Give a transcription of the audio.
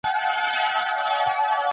سیاستوال تل د خبرو لار غوره کوي.